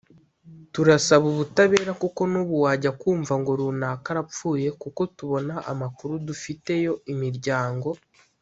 turasaba ubutabera kuko n’ubu wajya kumva ngo runaka arapfuye kuko tubona amakuru dufiteyo imiryango